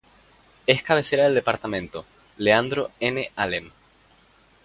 Es cabecera del departamento Leandro N. Alem.